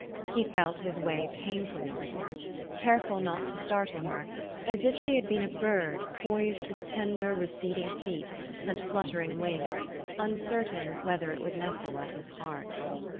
He felt his way painfully with her, care ful not to startle her, as if she had been a bird poised with tender, receding feet, and fluttering wing, uncertain whether it would nestle at his heart.